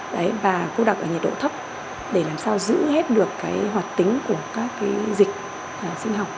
và cô đặc ở nhiệt độ thấp để làm sao giữ hết được hoạt tính của các dịch sinh học